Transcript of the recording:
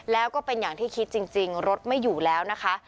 แล้วก็เป็นอย่างที่คิดจริงรถไม่อยู่แล้วนะคะ